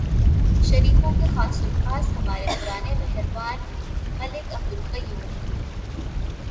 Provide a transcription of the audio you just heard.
شریفوں کے خاص الخاص ہمارے پرانے مہربان ملک عبدالقیوم۔